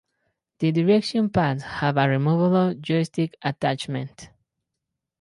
The direction pads have a removable joystick attachment.